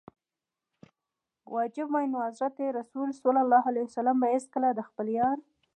واجب وای نو حضرت رسول ص به هیڅکله د خپل یار.